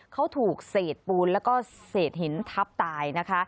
เขาถูกเศษปูนแล้วก็เศษหินทับตายนะคะ